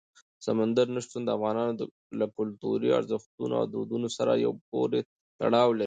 سمندر نه شتون د افغانانو له کلتوري ارزښتونو او دودونو سره پوره تړاو لري.